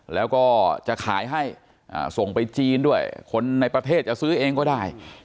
แล้วก็จะขายให้ส่งไปจีนด้วยคนในประเทศจะซื้อเองก็ได้